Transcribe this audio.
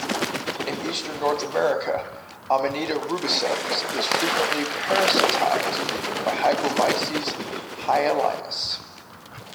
In eastern North America, Amanita rubescens is frequently parasitized by Hypomyces hyalinus.